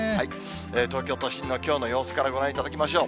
東京都心のきょうの様子からご覧いただきましょう。